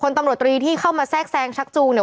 ตำรวจตรีที่เข้ามาแทรกแซงชักจูงเนี่ย